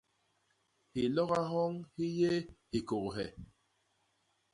Hiloga hyoñ hi yé hikôghe.